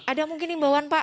ada mungkin himbauan pak